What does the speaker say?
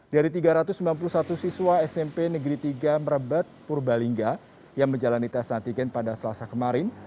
dari tiga ratus sembilan puluh satu siswa smp negeri tiga merebet purbalingga yang menjalani tes antigen pada selasa kemarin